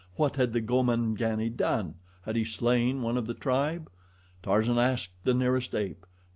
What had the Gomangani done? Had he slain one of the tribe? Tarzan asked the nearest ape.